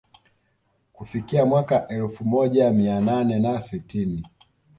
Kufikia mwaka wa elfu moja mia nane na sitini